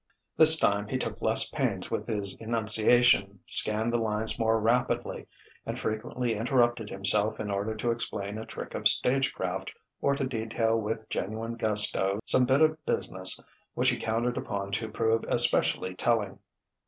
This time he took less pains with his enunciation, scanned the lines more rapidly, and frequently interrupted himself in order to explain a trick of stage craft or to detail with genuine gusto some bit of business which he counted upon to prove especially telling.